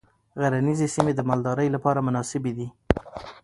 غرنیزې سیمې د مالدارۍ لپاره مناسبې دي.